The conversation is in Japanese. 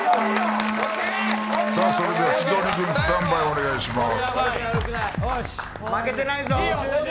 それでは千鳥軍スタンバイお願いします。